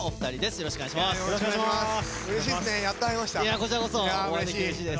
よろしくお願いします。